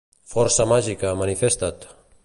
Força màgica, manifesta't.